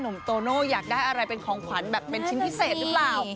โตโน่อยากได้อะไรเป็นของขวัญแบบเป็นชิ้นพิเศษหรือเปล่า